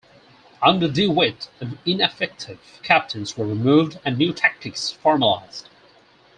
Under De Witt, ineffective captains were removed and new tactics formalised.